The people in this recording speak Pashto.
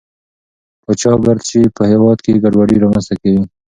پاچا ګردشي په هېواد کې ګډوډي رامنځته کوي.